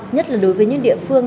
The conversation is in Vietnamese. nhất là đối với những địa phương